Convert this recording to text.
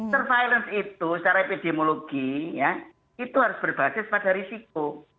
surveillance itu secara epidemiologi ya itu harus berbasis pada risiko